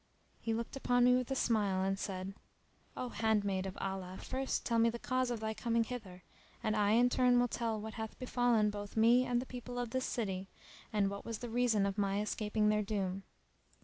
He looked upon me with a smile and said, "O handmaid of Allah, first tell me the cause of thy coming hither, and I in turn will tell what hath befallen both me and the people of this city, and what was the reason of my escaping their doom."